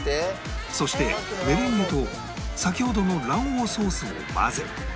そしてメレンゲと先ほどの卵黄ソースを混ぜ